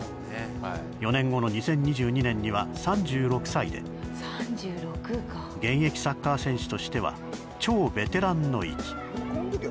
４年後の２０２２年には、３６歳で現役サッカー選手としては超ベテランの域。